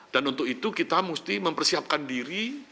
untuk itu kita mesti mempersiapkan diri